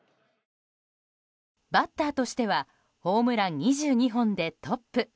バッターとしてはホームラン２２本でトップ。